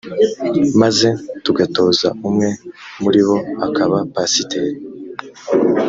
maze tugatoza umwe muri bo akaba pasiteri